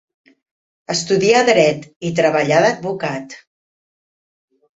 Estudià dret i treballà d'advocat.